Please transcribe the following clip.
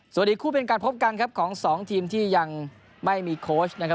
สวัสดีคู่เป็นการพบกันครับของสองทีมที่ยังไม่มีเชียร์มันนะครับ